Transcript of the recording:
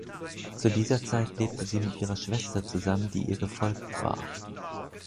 Zu dieser Zeit lebte sie mit ihrer Schwester zusammen, die ihr gefolgt war.